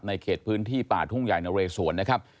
เขตพื้นที่ป่าทุ่งใหญ่นเรสวนนะครับ